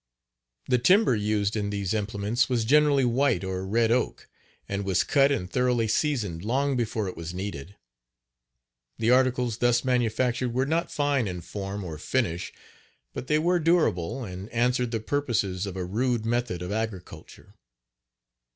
The timber used in these implements was generally white or red oak, and was cut and thoroughly seasoned long before it was nedeed. The articles thus manufactured were not fine in form or finish, but they were durable, and answered the purposes of a rude method of agriculture.